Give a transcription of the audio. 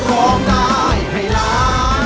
ร้องได้ให้ล้าน